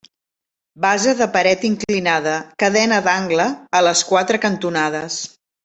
Base de paret inclinada, cadena d'angle a les quatre cantonades.